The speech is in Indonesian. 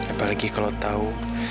apalagi kalau tau